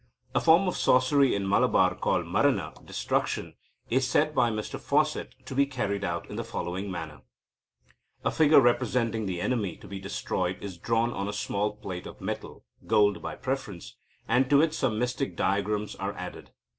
A form of sorcery in Malabar called marana (destruction) is said by Mr Fawcett to be carried out in the following manner: "A figure representing the enemy to be destroyed is drawn on a small plate of metal (gold by preference), and to it some mystic diagrams are added.